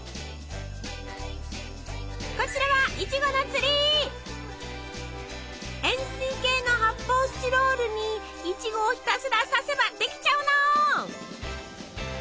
こちらは円すい形の発泡スチロールにいちごをひたすら刺せばできちゃうの！